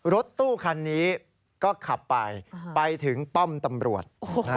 รถตู้คันนี้ก็ขับไปไปถึงป้อมตำรวจ